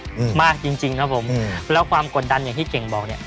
อืมมากจริงจริงครับผมอืมแล้วความกดดันอย่างที่เก่งบอกเนี้ย